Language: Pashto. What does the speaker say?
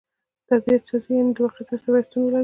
طبعت سازي؛ یعني د واقعیت سره پیوستون ولري.